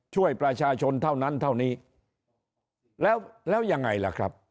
ช่วยประชาชนเท่านั้นเท่านี้แล้วแล้วยังไงล่ะครับ